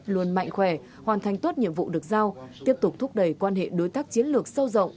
luôn mạnh khỏe hoàn thành tốt nhiệm vụ được giao tiếp tục thúc đẩy quan hệ đối tác chiến lược sâu rộng